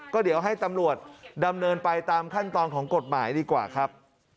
ก็เดี๋ยวให้ตำรวจดำเนินไปตามขั้นตอนของกฎหมายดีกว่าครับ